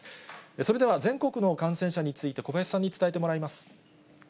それでは、全国の感染者について、小林さんに伝えてもらいます。